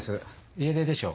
家出でしょ。